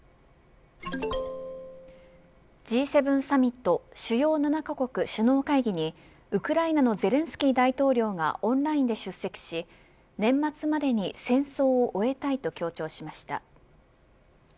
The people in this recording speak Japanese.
Ｇ７サミット主要７カ国首脳会議にウクライナのゼレンスキー大統領がオンラインで出席し年末までに戦争を終えたいと強調しました。